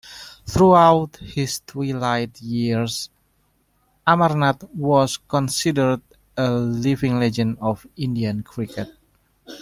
Throughout his twilight years, Amarnath was considered a living legend of Indian cricket.